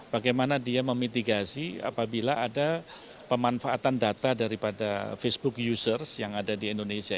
bagaimana dia memitigasi apabila ada pemanfaatan data daripada facebook users yang ada di indonesia